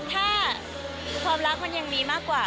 ถ้าความรักมันยังมีมากกว่า